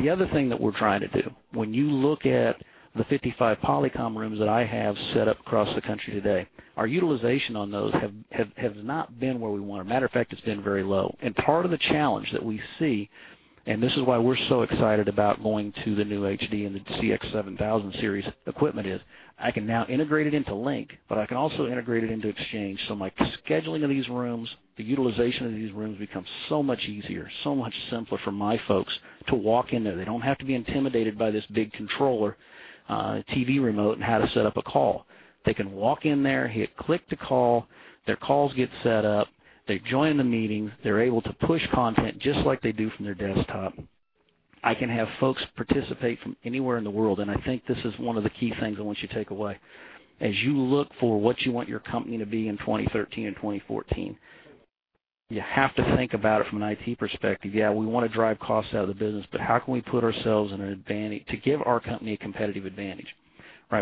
The other thing that we're trying to do, when you look at the 55 Polycom rooms that I have set up across the country today, our utilization on those has not been where we want. As a matter of fact, it's been very low. Part of the challenge that we see, and this is why we're so excited about going to the new HD and the Polycom CX7000 series equipment, is I can now integrate it into Microsoft Lync, but I can also integrate it into Exchange, so my scheduling of these rooms, the utilization of these rooms becomes so much easier, so much simpler for my folks to walk in there. They don't have to be intimidated by this big controller, TV remote, and how to set up a call. They can walk in there, hit click to call, their calls get set up, they join the meetings, they're able to push content just like they do from their desktop. I can have folks participate from anywhere in the world, and I think this is one of the key things I want you to take away. As you look for what you want your company to be in 2013 and 2014, you have to think about it from an IT perspective. Yeah, we want to drive costs out of the business, but how can we put ourselves in an advantage to give our company a competitive advantage?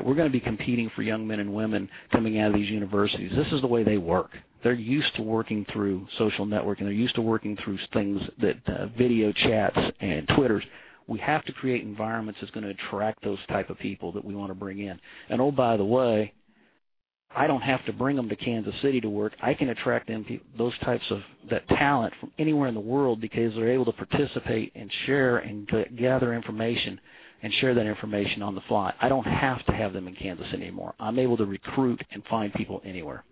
We're going to be competing for young men and women coming out of these universities. This is the way they work. They're used to working through social networking, they're used to working through things that video chats and Twitters. We have to create environments that's going to attract those types of people that we want to bring in. Oh, by the way, I don't have to bring them to Kansas City to work. I can attract those types of talent from anywhere in the world because they're able to participate and share and gather information and share that information on the fly. I don't have to have them in Kansas anymore. I'm able to recruit and find people anywhere.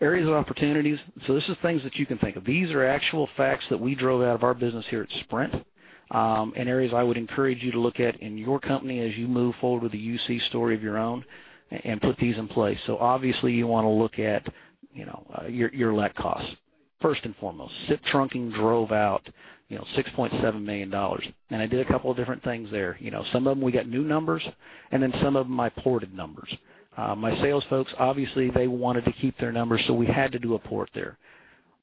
Areas of opportunities, so this is things that you can think of. These are actual facts that we drove out of our business here at Sprint and areas I would encourage you to look at in your company as you move forward with the unified communications story of your own and put these in place. Obviously, you want to look at your let costs. First and foremost, SIP trunking drove out $6.7 million, and I did a couple of different things there. Some of them we got new numbers, and then some of them I ported numbers. My sales folks, obviously, they wanted to keep their numbers, so we had to do a port there.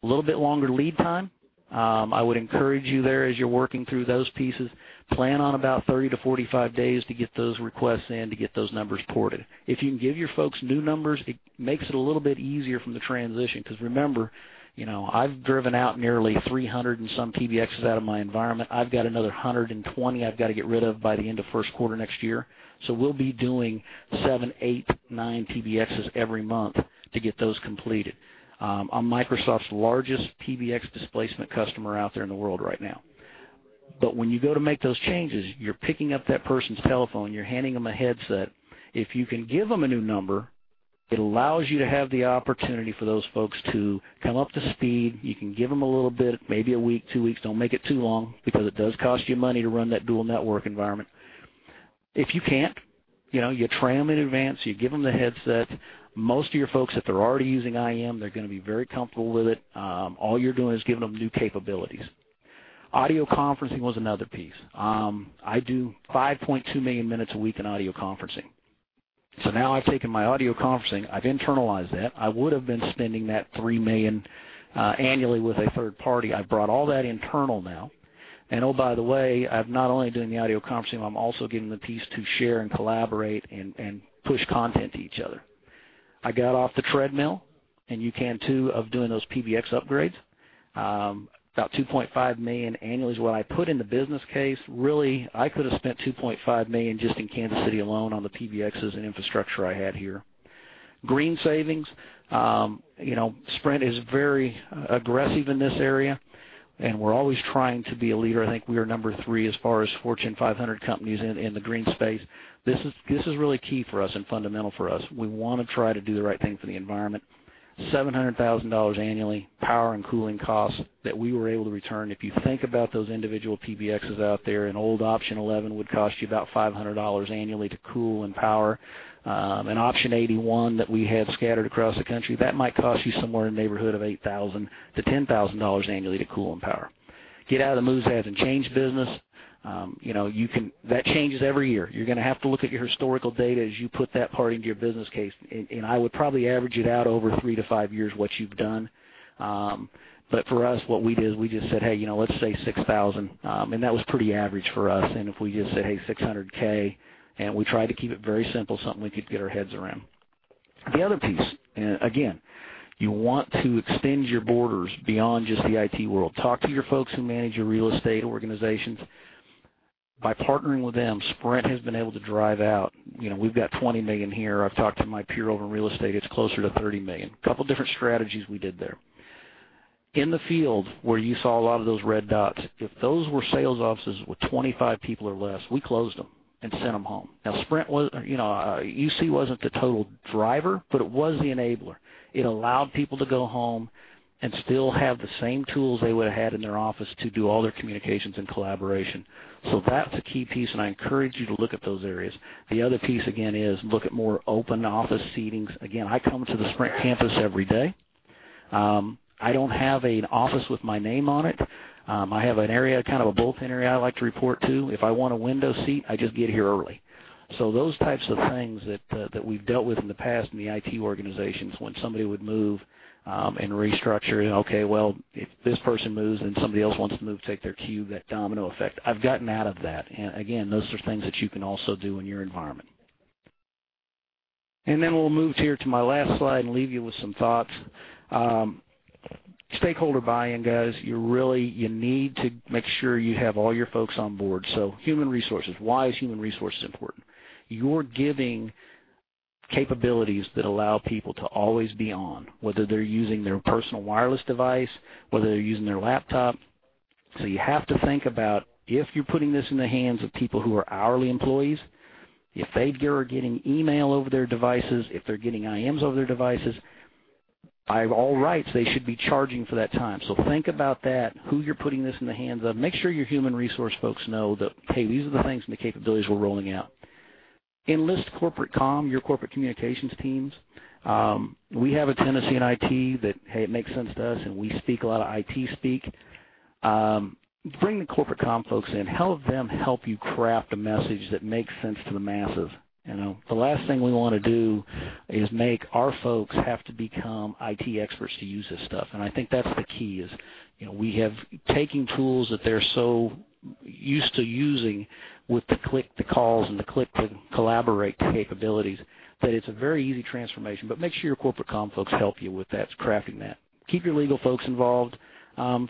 A little bit longer lead time, I would encourage you there as you're working through those pieces. Plan on about 30 days-45 days to get those requests in to get those numbers ported. If you can give your folks new numbers, it makes it a little bit easier from the transition because remember, you know I've driven out nearly 300 and some PBXs out of my environment. I've got another 120 I've got to get rid of by the end of first quarter next year. We'll be doing seven, eight, nine PBXs every month to get those completed. I'm Microsoft's largest PBX displacement customer out there in the world right now. When you go to make those changes, you're picking up that person's telephone, you're handing them a headset. If you can give them a new number, it allows you to have the opportunity for those folks to come up to speed. You can give them a little bit, maybe a week, two weeks, don't make it too long because it does cost you money to run that dual network environment. If you can't, you know, you try them in advance, you give them the headset. Most of your folks that are already using IM, they're going to be very comfortable with it. All you're doing is giving them new capabilities. Audio conferencing was another piece. I do 5.2 million minutes a week in audio conferencing. Now I've taken my audio conferencing, I've internalized that. I would have been spending that $3 million annually with a third party. I've brought all that internal now. Oh, by the way, I'm not only doing the audio conferencing, I'm also giving the piece to share and collaborate and push content to each other. I got off the treadmill, and you can too, of doing those PBX upgrades. About $2.5 million annually is what I put in the business case. Really, I could have spent $2.5 million just in Kansas City alone on the PBXs and infrastructure I had here. Green savings, you know, Sprint is very aggressive in this area, and we're always trying to be a leader. I think we are number three as far as Fortune 500 companies in the green space. This is really key for us and fundamental for us. We want to try to do the right thing for the environment. $700,000 annually, power and cooling costs that we were able to return. If you think about those individual PBXs out there, an old Option 11 would cost you about $500 annually to cool and power. An Option 81 that we had scattered across the country, that might cost you somewhere in the neighborhood of $8,000-$10,000 annually to cool and power. Get out of the moves ads and change business. You know, that changes every year. You're going to have to look at your historical data as you put that part into your business case, and I would probably average it out over three to five years what you've done. For us, what we did is we just said, "Hey, you know, let's say $6,000." That was pretty average for us. If we just said, "Hey, $600,000," and we tried to keep it very simple, something we could get our heads around. The other piece, again, you want to extend your borders beyond just the IT world. Talk to your folks who manage your real estate organizations. By partnering with them, Sprint has been able to drive out. We've got $20 million here. I've talked to my peer over in real estate, it's closer to $30 million. A couple of different strategies we did there. In the field where you saw a lot of those red dots, if those were sales offices with 25 people or less, we closed them and sent them home. Now, unified communications wasn't the total driver, but it was the enabler. It allowed people to go home and still have the same tools they would have had in their office to do all their communications and collaboration. That's a key piece, and I encourage you to look at those areas. The other piece, again, is look at more open office seatings. I come to the Sprint campus every day. I don't have an office with my name on it. I have an area, kind of a bulletin area I like to report to. If I want a window seat, I just get here early. Those types of things that we've dealt with in the past in the IT organizations, when somebody would move and restructure, "Okay, if this person moves and somebody else wants to move, take their cube," that domino effect. I've gotten out of that, and those are things that you can also do in your environment. We'll move here to my last slide and leave you with some thoughts. Stakeholder buy-in, guys, you need to make sure you have all your folks on board. Human Resources, why is Human Resources important? You're giving capabilities that allow people to always be on, whether they're using their personal wireless device, whether they're using their laptop. You have to think about if you're putting this in the hands of people who are hourly employees, if they are getting email over their devices, if they're getting IMs over their devices, by all rights, they should be charging for that time. Think about that, who you're putting this in the hands of. Make sure your human resource folks know that, "Hey, these are the things and the capabilities we're rolling out." Enlist corporate com, your corporate communications teams. We have a tendency in IT that, "Hey, it makes sense to us," and we speak a lot of IT speak. Bring the corporate com folks in. Help them help you craft a message that makes sense to the masses. The last thing we want to do is make our folks have to become IT experts to use this stuff. I think that's the key, is we have taken tools that they're so used to using with the click-to-calls and the click-to-collaborate capabilities that it's a very easy transformation. Make sure your corporate com folks help you with that, crafting that. Keep your legal folks involved,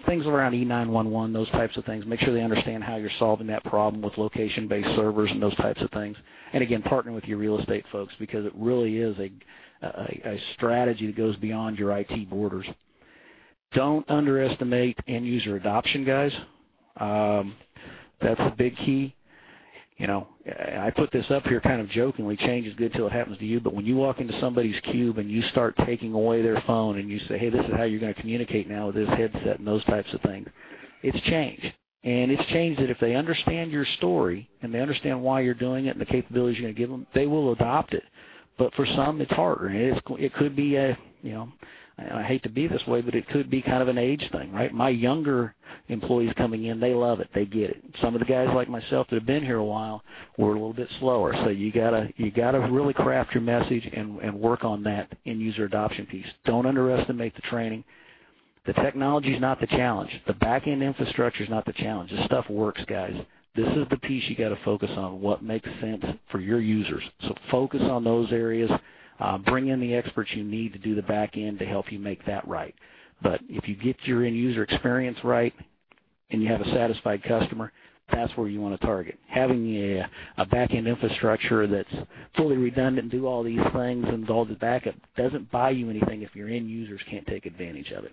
things around E911, those types of things. Make sure they understand how you're solving that problem with location-based servers and those types of things. Again, partner with your real estate folks because it really is a strategy that goes beyond your IT borders. Do not underestimate end-user adoption, guys. That's a big key. I put this up here kind of jokingly. Change is good until it happens to you, but when you walk into somebody's cube and you start taking away their phone and you say, "Hey, this is how you're going to communicate now with this headset and those types of things," it's change. It's changed that if they understand your story and they understand why you're doing it and the capabilities you're going to give them, they will adopt it. For some, it's harder. It could be a, you know, I hate to be this way, but it could be kind of an age thing. My younger employees coming in, they love it, they get it. Some of the guys like myself that have been here a while were a little bit slower. You got to really craft your message and work on that end-user adoption piece. Do not underestimate the training. The technology is not the challenge. The backend infrastructure is not the challenge. This stuff works, guys. This is the piece you got to focus on, what makes sense for your users. Focus on those areas, bring in the experts you need to do the backend to help you make that right. If you get your end-user experience right and you have a satisfied customer, that's where you want to target. Having a backend infrastructure that's fully redundant and do all these things and all the backup does not buy you anything if your end users cannot take advantage of it.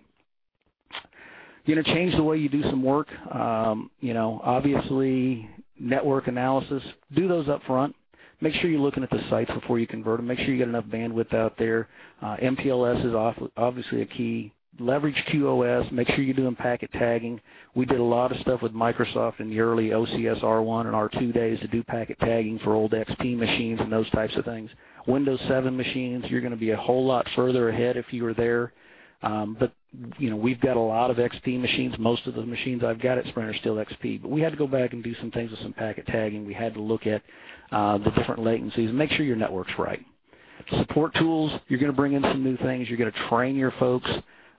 You're going to change the way you do some work. Obviously, network analysis, do those upfront. Make sure you're looking at the sites before you convert them. Make sure you get enough bandwidth out there. MPLS is obviously a key. Leverage QoS. Make sure you're doing packet tagging. We did a lot of stuff with Microsoft in the early OCS R1 and R2 days to do packet tagging for old XP machines and those types of things. Windows 7 machines, you're going to be a whole lot further ahead if you were there. We've got a lot of XP machines. Most of the machines I've got at Sprint are still XP, but we had to go back and do some things with some packet tagging. We had to look at the different latencies and make sure your network's right. Support tools, you're going to bring in some new things. You're going to train your folks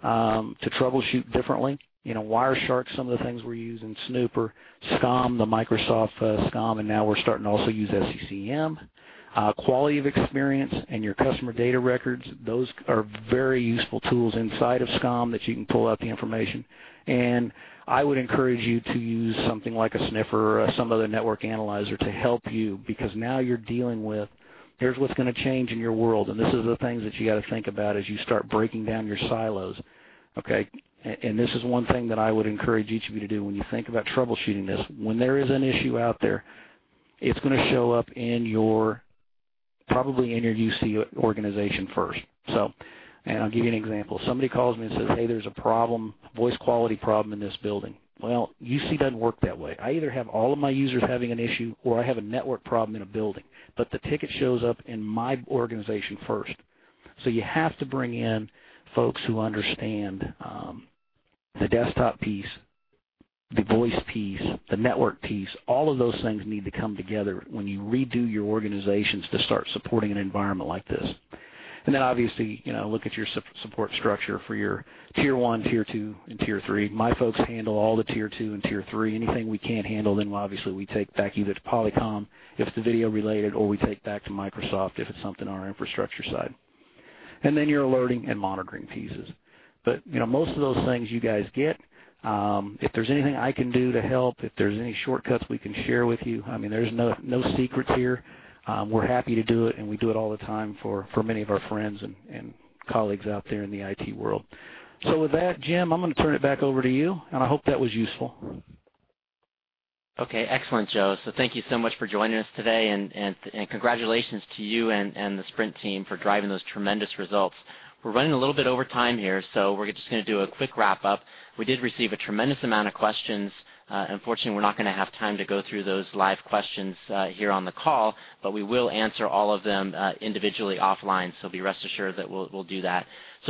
to troubleshoot differently. Wireshark, some of the things we're using, Snooper, SCOM, the Microsoft SCOM, and now we're starting off to use SCCM. Quality of experience and your customer data records, those are very useful tools inside of SCOM that you can pull out the information. I would encourage you to use something like a Sniffer or some other network analyzer to help you because now you're dealing with, "Here's what's going to change in your world," and these are the things that you got to think about as you start breaking down your silos. This is one thing that I would encourage each of you to do when you think about troubleshooting this. When there is an issue out there, it's going to show up probably in your UC organization first. I'll give you an example. Somebody calls me and says, "Hey, there's a voice quality problem in this building." UC doesn't work that way. I either have all of my users having an issue or I have a network problem in a building, but the ticket shows up in my organization first. You have to bring in folks who understand the desktop piece, the voice piece, the network piece. All of those things need to come together when you redo your organizations to start supporting an environment like this. Obviously, look at your support structure for your Tier 1, Tier 2, and Tier 3. My folks handle all the Tier 2 and Tier 3. Anything we can't handle, obviously we take back either to Polycom if it's video related or we take back to Microsoft if it's something on our infrastructure side. Your alerting and monitoring pieces. Most of those things you guys get. If there's anything I can do to help, if there's any shortcuts we can share with you, I mean, there's no secret here. We're happy to do it, and we do it all the time for many of our friends and colleagues out there in the IT world. With that, Jim, I'm going to turn it back over to you, and I hope that was useful. Excellent, Joe. Thank you so much for joining us today, and congratulations to you and the Sprint team for driving those tremendous results. We're running a little bit over time here, so we're just going to do a quick wrap-up. We did receive a tremendous amount of questions. Unfortunately, we're not going to have time to go through those live questions here on the call, but we will answer all of them individually offline, so be rest assured that we'll do that.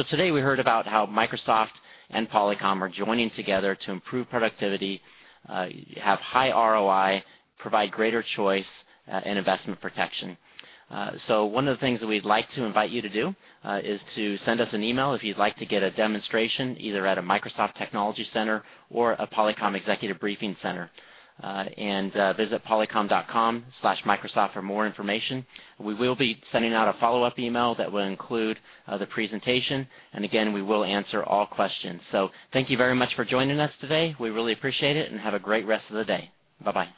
Today, we heard about how Microsoft and Polycom are joining together to improve productivity, have high ROI, provide greater choice, and investment protection. One of the things that we'd like to invite you to do is to send us an email if you'd like to get a demonstration either at a Microsoft Technology Center or a Polycom Executive Briefing Center. Visit polycom.com/microsoft for more information. We will be sending out a follow-up email that will include the presentation, and again, we will answer all questions. Thank you very much for joining us today. We really appreciate it, and have a great rest of the day. Bye-bye.